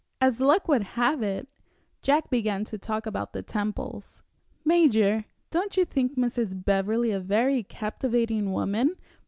As luck would have it, Jack began to talk about the Temples. "Major, don't you think Mrs. Beverley a very captivating woman?